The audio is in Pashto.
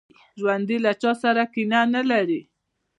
ژوندي له چا سره کینه نه لري